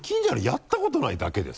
やったことないだけでさ。